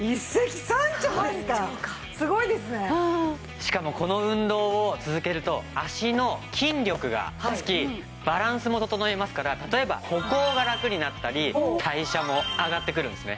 しかもこの運動を続けると足の筋力が付きバランスも整いますから例えば歩行がラクになったり代謝も上がってくるんですね。